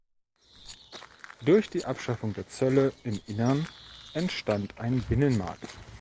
Durch die Abschaffung der Zölle im Innern entstand ein Binnenmarkt.